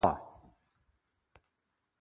มะละกอมะละกอมะละกอ